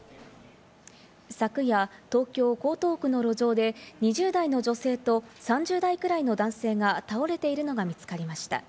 昨夜、東京・江東区の路上で２０代の女性と３０代くらいの男性が倒れているのが見つかりました。